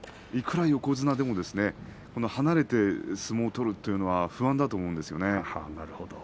いくら横綱でも離れて相撲を取るというのは不安だと思うんですね。